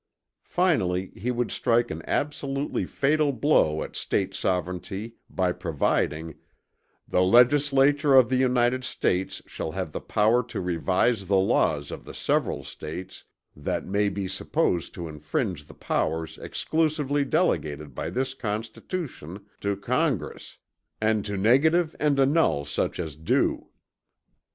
Finally he would strike an absolutely fatal blow at State sovereignty by providing, "the Legislature of the United States shall have the power to revise the Laws of the several States that may be supposed to infringe the powers exclusively delegated by this Constitution to Congress, and to negative and annul such as do."